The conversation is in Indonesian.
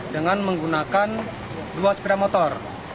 dengan menggunakan dua sepeda motor